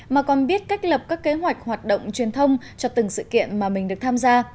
mà còn biết cách lập các kế hoạch hoạt động truyền thông cho từng sự kiện mà mình được tham gia